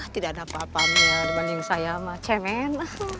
tidak ada apa apanya dibanding saya sama cemen